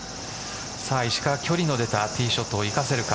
石川、距離の出たティーショットを生かせるか。